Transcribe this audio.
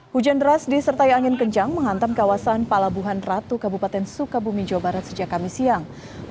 hujan deras disertai angin kencang menghantam kawasan palabuhan ratu kabupaten sukabumi jawa barat sejak kamis siang